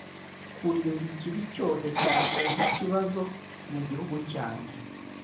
kurinda ikibi cyose cyateza ikibazo mu gihugu cyanjye